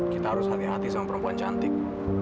kita harus hati hati sama perempuan cantik